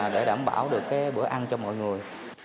để đảm bảo được bữa ăn cho mọi người